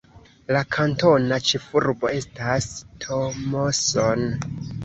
La kantona ĉefurbo estas Thomson.